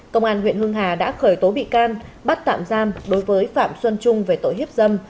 công an huyện hưng hà đã khởi tố bị can bắt tạm giam đối với phạm xuân trung về tội hiếp dâm